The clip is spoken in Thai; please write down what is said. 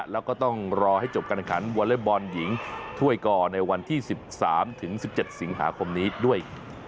แล้วก็ต้องรอให้จบการแข่งขันวอเล็กบอลหญิงถ้วยกอในวันที่๑๓๑๗สิงหาคมนี้ด้วย